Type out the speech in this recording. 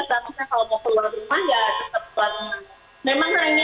maksudnya kalau mau keluar rumah ya tetap keluar rumah